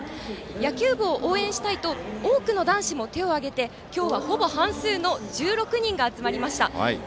野球部を応援したいと多くの男子も手を挙げて、今日はほぼ半数の１６人が集まりました。